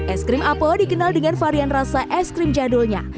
es krim apo dikenal dengan varian rasa es krim jadulnya